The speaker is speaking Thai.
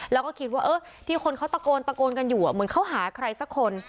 แล้วก็คิดว่าที่คนเขาตะโกนตะโกนกันอยู่เหมือนเขาหาใครสักคน